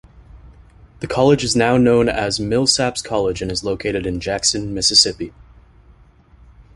The college is now known as Millsaps College and is located in Jackson, Mississippi.